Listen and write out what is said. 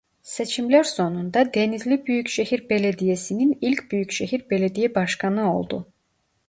Seçimler sonunda Denizli Büyükşehir Belediyesi'nin ilk Büyükşehir Belediye Başkanı oldu.